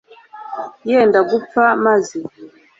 Yenda gupfa maze